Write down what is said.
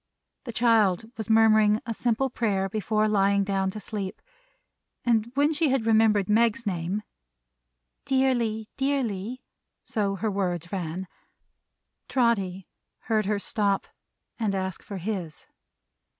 The child was murmuring a simple Prayer before lying down to sleep; and when she had remembered Meg's name, "Dearly, Dearly" so her words ran Trotty heard her stop and ask for his.